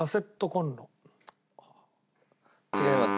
違います。